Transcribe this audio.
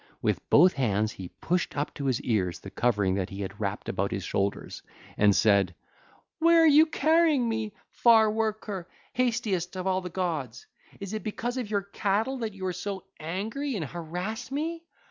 With both hands he pushed up to his ears the covering that he had wrapped about his shoulders, and said: (ll. 307 312) 'Where are you carrying me, Far Worker, hastiest of all the gods? Is it because of your cattle that you are so angry and harass me?